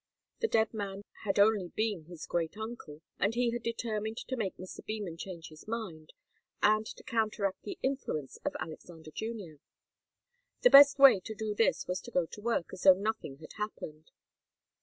The dead man had only been his great uncle, and he had determined to make Mr. Beman change his mind, and to counteract the influence of Alexander Junior. The best way to do this was to go to work as though nothing had happened.